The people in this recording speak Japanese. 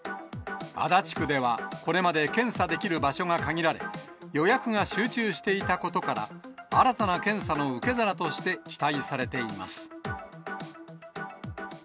足立区ではこれまで、検査できる場所が限られ、予約が集中していたことから、新たな検査の受け皿として期待されています。